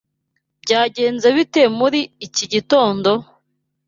Byagenze bite muri iki gitondo?